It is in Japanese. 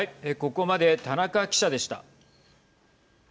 ここまで田中記者でした。